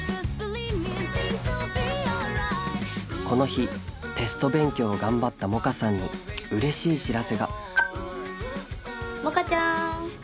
この日テスト勉強を頑張った百花さんにうれしい知らせが。